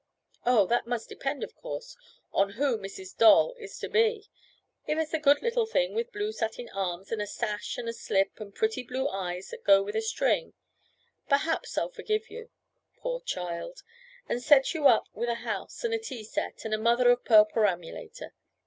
"Oh, that must depend, of course, on who Mrs. Doll is to be! If it's a good little thing with blue satin arms, and a sash and a slip, and pretty blue eyes that go with a string, perhaps I'll forgive you, poor child, and set you up with a house, and a tea set, and a mother of pearl perambulator."